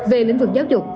về lĩnh vực giáo dục